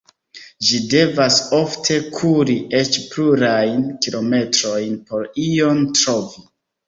Ĝi devas ofte kuri eĉ plurajn kilometrojn por ion trovi.